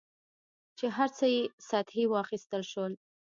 چې هر څه یې سطحي واخیستل شول.